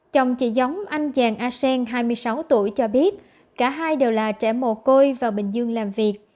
chồng chị giống anh giàng a sen hai mươi sáu tuổi cho biết cả hai đều là trẻ mồ côi vào bình dương làm việc